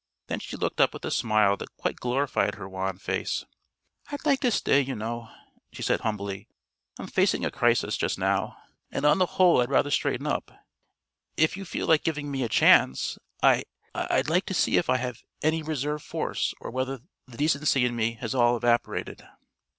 Then she looked up with a smile that quite glorified her wan face. "I'd like to stay, you know," she said humbly. "I'm facing a crisis, just now, and on the whole I'd rather straighten up. If you feel like giving me a chance I I'd like to see if I've any reserve force or whether the decency in me has all evaporated."